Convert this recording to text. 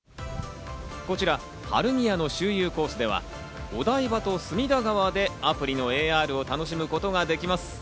こちら晴海屋の周遊コースでは、お台場と隅田川でアプリのＡＲを楽しむことができます。